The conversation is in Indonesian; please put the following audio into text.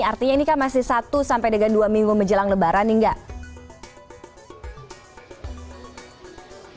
artinya ini kan masih satu sampai dua minggu menjelang lebaran nggak